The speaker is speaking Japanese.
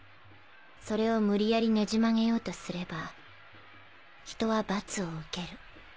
それを無理やりねじ曲げようとすれば人は罰を受ける。